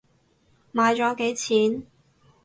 買咗幾錢？